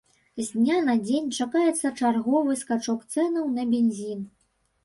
З дня на дзень чакаецца чарговы скачок цэнаў на бензін.